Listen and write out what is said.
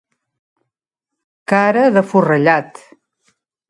Cara de forrellat.